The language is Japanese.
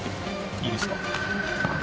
いいですか？